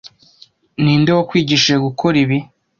Ninde wakwigishije gukora ibi?